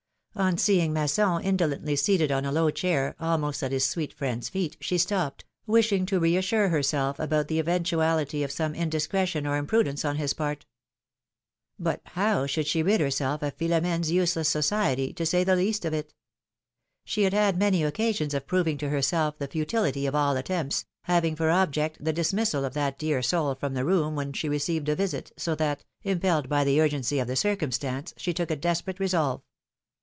On seeing Masson indolently seated on a low chair, almost at his sweet friend's feet, she stopped, wishing to reassure herself about the eventuality of some indiscretion or imprudence on his part. But how should she rid her self of Philom^ne's useless society, to say the least of it? She had had many occasions of proving to herself the futility of all attempts, having for object the dismissal of that dear soul from the room when she received a visit, so that, impelled by the urgency of the circumstance, she took a desperate resolve.